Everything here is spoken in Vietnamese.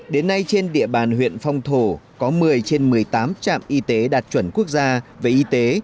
đến nay trên địa bàn huyện phong thổ có một mươi trên một mươi tám trạm y tế đạt chuẩn quốc gia về y tế